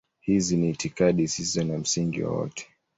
Hizi ni itikadi zisizo na msingi wowote.